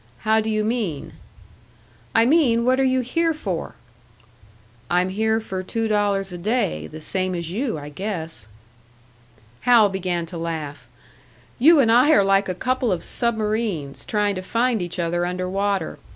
"How do you mean?" "I mean, what are you here for?" "I'm here for two dollars a day the same as you, I guess." Hal began to laugh. "You and I are like a couple of submarines, trying to find each other under water.